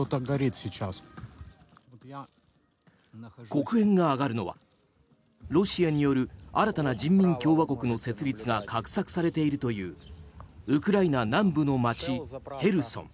黒煙が上がるのはロシアによる新たな人民共和国の設立が画策されているというウクライナ南部の街、ヘルソン。